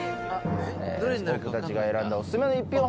僕たちが選んだ。